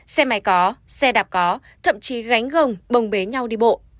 xe máy có xe đạp có thậm chí gánh gồng bồng bế nhau đi bộ